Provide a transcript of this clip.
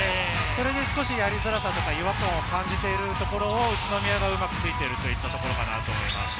それで少しやりづらく、違和感を感じているところを宇都宮がうまく突いているところかなと思います。